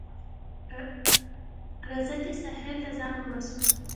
راځه چې ساحل ته ځان وباسو